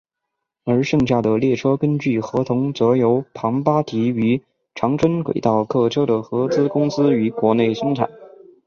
而剩下的列车根据合同则由庞巴迪与长春轨道客车的合资公司于国内生产。